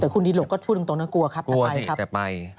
แต่คุณดีโหลกก็พูดตรงตรงนั้นกลัวครับแต่ไปครับกลัวสิแต่ไป